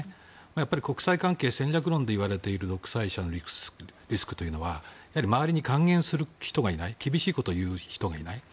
やっぱり国際関係戦略論でいわれている独裁者のリスクというのは周りに諫言する人がいない厳しいことを言う人がいない。